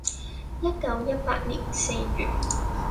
（一九一八年四月。）